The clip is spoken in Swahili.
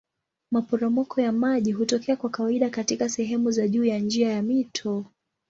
Maporomoko ya maji hutokea kwa kawaida katika sehemu za juu ya njia ya mto.